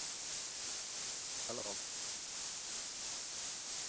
va bir tashnalikka ehtiyojim bor.